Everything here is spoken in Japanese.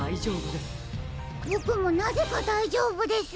ボクもなぜかだいじょうぶです。